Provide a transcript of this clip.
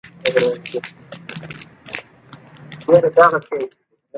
سیاسي زغم د مختلفو قومونو او ډلو د همغږۍ اساس دی